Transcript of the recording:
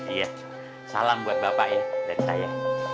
iya salam buat bapak ya dan saya